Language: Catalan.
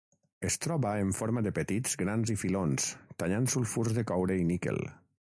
Es troba en forma de petits grans i filons tallant sulfurs de coure i níquel.